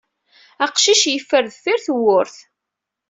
Aqcic yeffer deffir tewwurt.